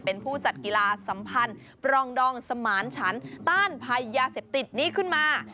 เป็นผู้จัดกีฬาสัมพันธ์ปรองดองสมานฉันต้านภัยยาเสพติดนี้ขึ้นมา